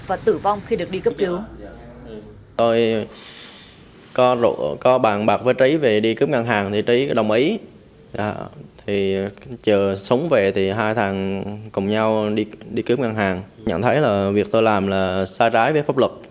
và tử vong khi được đi cướp cướp